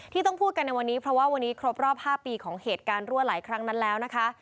ที่ต้องพูดกันในวันนี้เพราะว่าวันนี้ครบรอบ๕ปีของเหตุการณ์รั่วไหลครั้งนั้นแล้วนะคะ